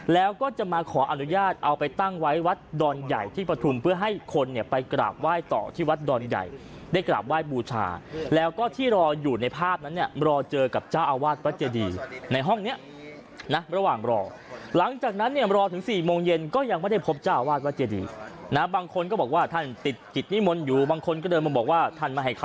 แล้วก็จะมาขออนุญาตเอาไปตั้งไว้วัดดอนใหญ่ที่ปฐุมเพื่อให้คนเนี่ยไปกราบไหว้ต่อที่วัดดอนใหญ่ได้กราบไหว้บูชาแล้วก็ที่รออยู่ในภาพนั้นเนี่ยรอเจอกับเจ้าอาวาสวัดเจดีในห้องเนี้ยนะระหว่างรอหลังจากนั้นเนี่ยรอถึง๔โมงเย็นก็ยังไม่ได้พบเจ้าวาดวัดเจดีนะบางคนก็บอกว่าท่านติดกิจนิมนต์อยู่บางคนก็เดินมาบอกว่าท่านมาให้เขา